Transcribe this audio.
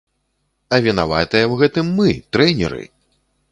А вінаватыя ў гэтым мы, трэнеры!